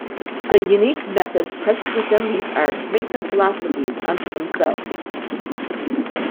The unique methods present within these arts make them philosophies unto themselves.